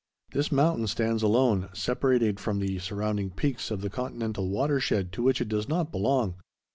This mountain stands alone, separated from the surrounding peaks of the continental watershed to which it does not belong.